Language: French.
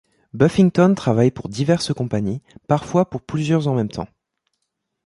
Buffington travaille pour diverses compagnies, parfois pour plusieurs en même temps.